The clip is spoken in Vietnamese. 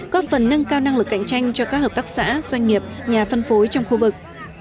có phần nâng cao năng lực cạnh tranh cho các hợp tác xã doanh nghiệp nhà phân phối trong khu vực